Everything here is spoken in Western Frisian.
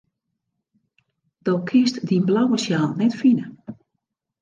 Do kinst dyn blauwe sjaal net fine.